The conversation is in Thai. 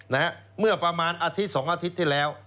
เมื่อประมาณอาทิตย์สองอาทิตย์ที่แล้ว